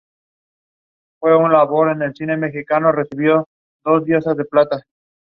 Research into her claims by colleagues indicated her ancestry is wholly European.